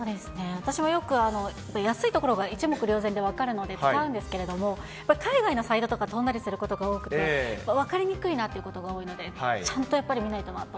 私もよく、やっぱり安いところが一目瞭然で分かるので、使うんですけれども、海外のサイトとか飛んだりすることが多くて、分かりにくいなということが多いので、ちゃんとやっぱり見ないとなと。